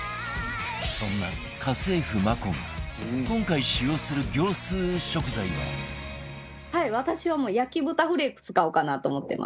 そんな家政婦 ｍａｋｏ が今回使用する私はもう焼豚フレーク使おうかなと思ってます。